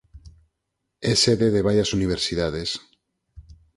É sede de varias universidades.